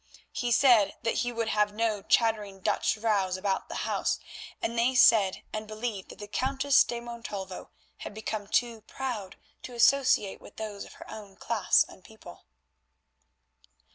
He said that he would have no chattering Dutch vrouws about the house, and they said and believed that the Countess de Montalvo had become too proud to associate with those of her own class and people.